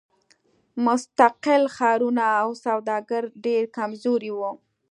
مستقل ښارونه او سوداګر ډېر کمزوري وو.